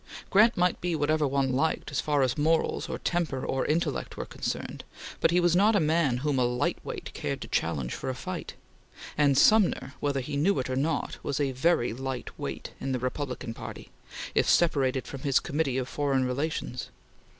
Grant might be whatever one liked, as far as morals or temper or intellect were concerned, but he was not a man whom a light weight cared to challenge for a fight; and Sumner, whether he knew it or not, was a very light weight in the Republican Party, if separated from his Committee of Foreign Relations.